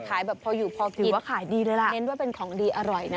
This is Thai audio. ถือว่าขายดีเลยล่ะเห็นว่าเป็นของดีอร่อยนะ